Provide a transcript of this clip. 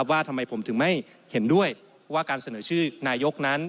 ว่าทำไมผมถึงไม่เห็นด้วยว่าการเสนอชื่อนายกนั้น